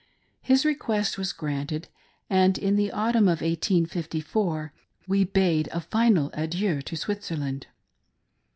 His request was granted; and in the autumn of 1854, we bade a final adieu to Switzer land.